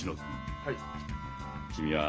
はい。